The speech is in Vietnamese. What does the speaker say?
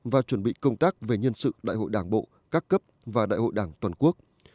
và chuẩn bị công tác về nhân sự đại hội đảng bộ các cấp và đại hội đảng toàn quốc